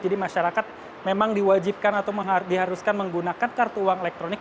jadi masyarakat memang diwajibkan atau diharuskan menggunakan kartu uang elektronik